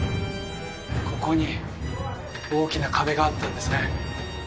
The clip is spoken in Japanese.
ここに大きな壁があったんですね